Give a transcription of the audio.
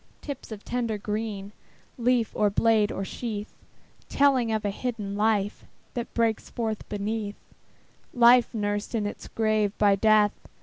Tips of tender green, Leaf, or blade, or sheath; Telling of the hidden life That breaks forth underneath, Life nursed in its grave by Death.